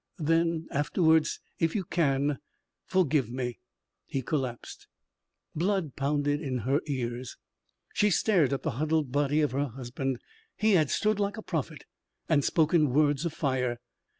Then afterwards if you can forgive me." He collapsed. Blood pounded in her ears. She stared at the huddled body of her husband. He had stood like a prophet and spoken words of fire.